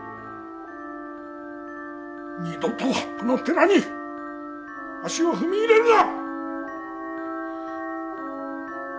二度とこの寺に足を踏み入れるな！